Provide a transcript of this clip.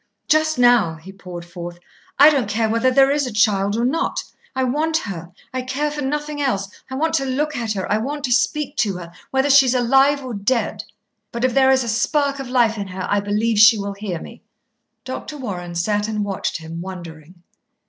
"Just now," he poured forth, "I don't care whether there is a child or not. I want her I care for nothing else. I want to look at her, I want to speak to her, whether she is alive or dead. But if there is a spark of life in her, I believe she will hear me." Dr. Warren sat and watched him, wondering.